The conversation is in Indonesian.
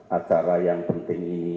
acara yang penting ini